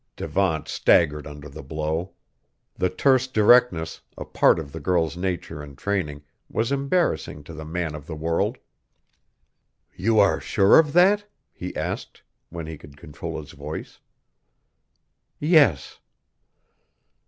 Devant staggered under the blow. The terse directness, a part of the girl's nature and training, was embarrassing to the man of the world. "You are sure of that?" he asked, when he could control his voice. "Yes."